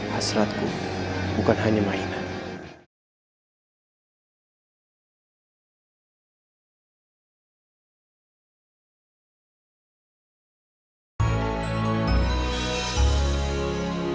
hasratku bukan hanya mainan